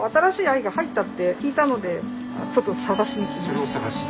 それを探しに？